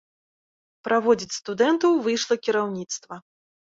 Праводзіць студэнтаў выйшла кіраўніцтва.